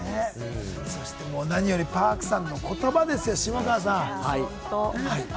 そして何よりＰａｒｋさんの言葉ですよ、下川さん。